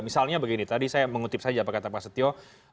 misalnya begini tadi saya mengutip saja apa kata pak setio